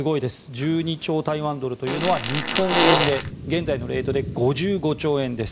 １２兆台湾ドルというのは日本円で現在のレートで５５兆円です。